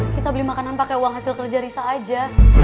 kita beli makanan pakai uang hasil kerja risa aja